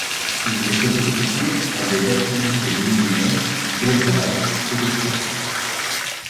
Ils étaient occupés à des activités minières, d'élevage et de chasse.